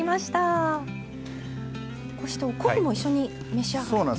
こうしてお昆布も一緒に召し上がって。